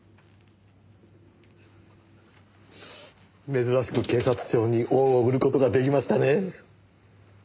珍しく警察庁に恩を売る事が出来ましたね。